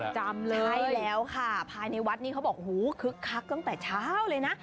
จำเลยใช่แล้วค่ะภายในวัดนี้เขาบอกหูคึกคักตั้งแต่เช้าเลยนะ